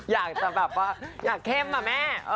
อยากจะแบบว่าอยากเข้มอะแม่